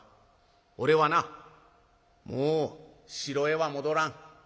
俺はなもう城へは戻らん。